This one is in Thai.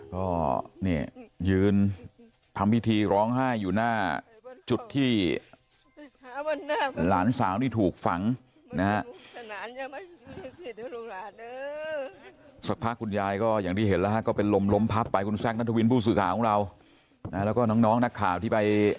ก็นี่ยืนทำพิธีร้องไห้อยู่หน้าจุดที่